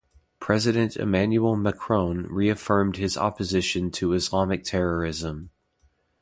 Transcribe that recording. President Emmanuel Macron reaffirmed his opposition to Islamic terrorism.